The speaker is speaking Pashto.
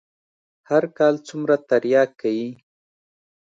هر کال څومره ترياک کيي.